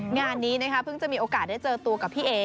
งานนี้นะคะเพิ่งจะมีโอกาสได้เจอตัวกับพี่เอ๋